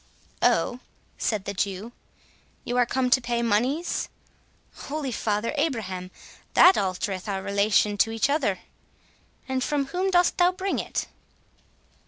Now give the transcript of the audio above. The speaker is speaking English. "O," said the Jew, "you are come to pay moneys?—Holy Father Abraham! that altereth our relation to each other. And from whom dost thou bring it?"